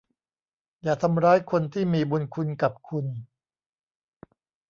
อย่าทำร้ายคนที่มีบุญคุณกับคุณ